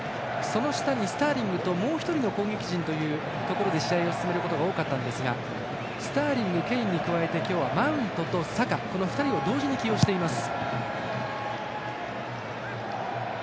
その下にスターリングともう１人、攻撃陣ということで試合を進めることが多かったですがスターリング、ケインに加えてマウントとサカこの２人を同時に起用しています。